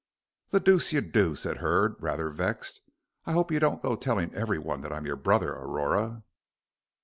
"The deuce you do," said Hurd, rather vexed. "I hope you don't go telling everyone that I am your brother, Aurora?"